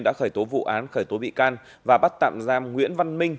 đã khởi tố vụ án khởi tố bị can và bắt tạm giam nguyễn văn minh